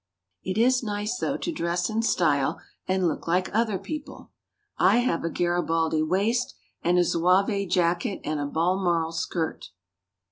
It is nice, though, to dress in style and look like other people. I have a Garibaldi waist and a Zouave jacket and a balmoral skirt.